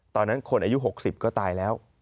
ตอนนั้นคนอายุ๖๐ก็ตายแล้ว